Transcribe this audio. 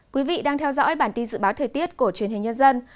quý vị đang theo dõi bản tin dự báo thời tiết của truyền hình nhân dân